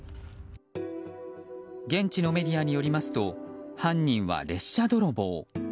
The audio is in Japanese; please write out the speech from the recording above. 現地のメディアによりますと犯人は列車泥棒。